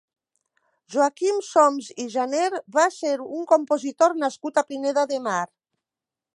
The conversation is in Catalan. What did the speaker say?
Joaquim Soms i Janer va ser un compositor nascut a Pineda de Mar.